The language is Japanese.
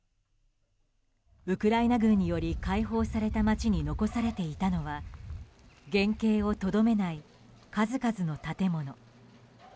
ウクライナ軍により解放された街に残されていたのは原形をとどめない数々の建物。